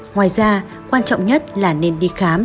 ngoài ra quan trọng nhất là nên đi khám